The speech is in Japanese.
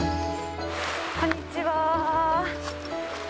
こんにちは。